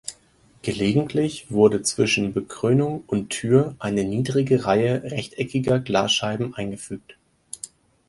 Gelegentlich wurde zwischen Bekrönung und Tür eine niedrige Reihe rechteckiger Glasscheiben eingefügt.